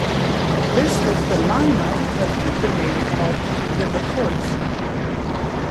This was the line-up that took the name of "The McCoys".